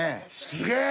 すげえ！